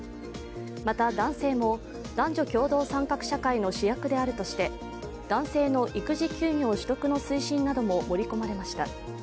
また、男性も男女共同参画社会の主役であるとして男性の育児休業取得の推進なども盛り込まれました。